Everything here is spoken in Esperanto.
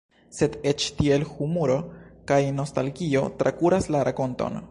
Sed eĉ tiel humuro kaj nostalgio trakuras la rakonton.